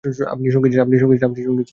আপনি সঙ্গী চান।